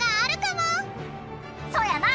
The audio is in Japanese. そやな！